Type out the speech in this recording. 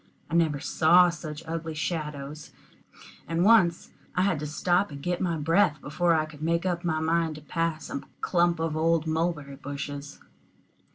I never saw such ugly shadows, and once I had to stop and get breath before I could make up my mind to pass a clump of old mulberry bushes.